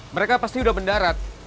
mereka pasti udah mendarat